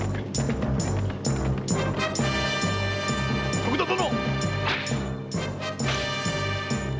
徳田殿！